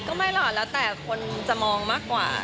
ไม่หรอกแล้วแต่คนจะมองมากกว่า